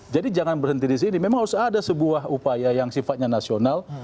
jadi jangan berhenti disini memang harus ada sebuah upaya yang sifatnya nasional